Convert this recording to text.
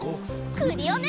クリオネ！